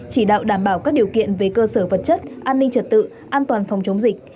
chỉ đạo đảm bảo các điều kiện về cơ sở vật chất an ninh trật tự an toàn phòng chống dịch